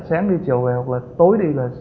sáng đi chiều về hoặc là tối đi là